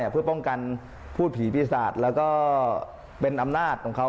เพื่อป้องกันพูดผีปีศาจแล้วก็เป็นอำนาจของเขา